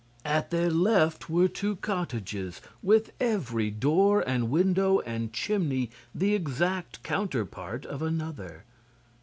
At their left were two cottages, with every door and window and chimney the exact counterpart of another.